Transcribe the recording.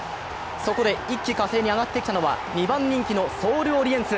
そこで一気呵成に上がってきたのは二番人気のソールオリエンス。